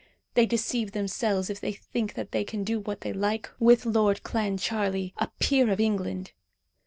They deceive themselves if they think that they can do what they like with Lord Clancharlie, a peer of England.